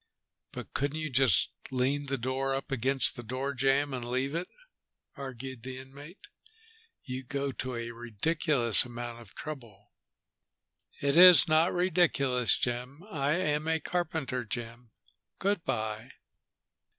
"But couldn't you just lean the door up against the door jamb and leave it?" argued the inmate. "You go to a ridiculous amount of trouble." "It is not ridiculous, Jim. I am a carpenter, Jim. Good by."